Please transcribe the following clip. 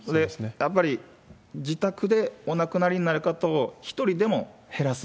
やっぱり自宅でお亡くなりになる方を１人でも減らす。